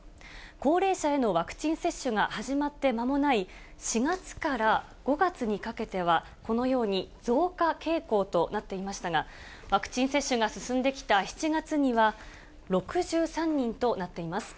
高齢者へのワクチン接種が始まって間もない、４月から５月にかけては、このように、増加傾向となっていましたが、ワクチン接種が進んできた７月には６３人となっています。